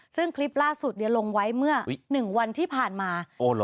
ซึ่งคลิปล่าสุดลงไว้เมื่อ๑วันที่ผ่านมา